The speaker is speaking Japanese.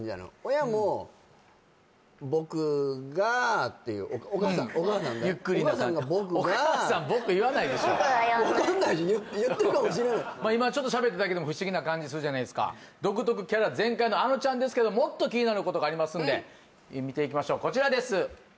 親もってお母さんお母さんがゆっくりお母さんボク言わないでしょわかんないじゃん言ってるかもしれない今ちょっと喋っただけでも不思議な感じするじゃないですか独特キャラ全開のあのちゃんですけどもっと気になることがありますんで見ていきましょうこちらです